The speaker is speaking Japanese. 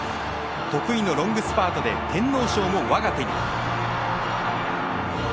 得意のロングスパートで天皇賞も、わが手に。